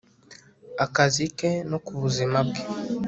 akazi ke no ku buzima bwe